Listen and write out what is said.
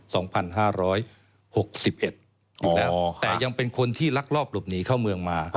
แต่ยังเป็นคนที่รักลอกหลบหนีเข้าเมืองมา